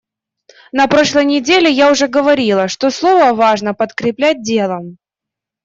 На прошлой неделе я уже говорила, что слово важно подкреплять делом.